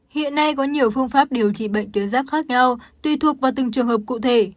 hiện nay có nhiều phương pháp điều trị bệnh tuyến giáp khác nhau tùy thuộc vào từng trường hợp cụ thể